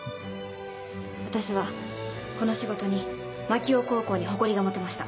私はこの仕事に槙尾高校に誇りが持てました。